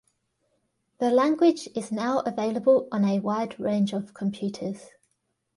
The language is now available on a wide range of computers.